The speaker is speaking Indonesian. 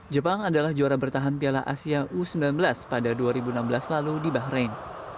jepang adalah juara bertahan piala asia u sembilan belas pada dua ribu enam belas lalu di bahrain